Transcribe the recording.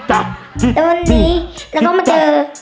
แต่ตอนนี้เรมาเจอ